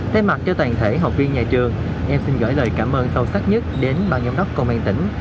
thay mặt cho toàn thể học viên nhà trường em xin gửi lời cảm ơn sâu sắc nhất đến ban giám đốc công an tỉnh